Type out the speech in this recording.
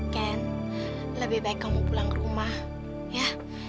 ken lebih baik kamu pulang ke rumah ya